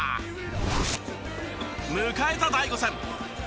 迎えた第５戦。